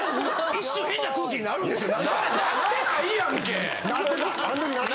一瞬変な空気になるんですよなんか。